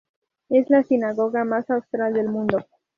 Es la sinagoga más austral del mundo.